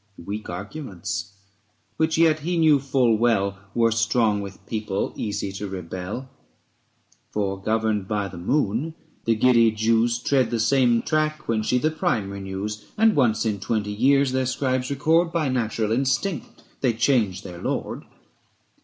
Weak arguments! which yet he knew full well Were strong with people easy to rebel. 215 For governed by the moon, the giddy Jews Tread the same track when she the prime renews : 94 ABSALOM AND ACHITOPHEL. And once in twenty years their scribes record, By natural instinct they change their lord.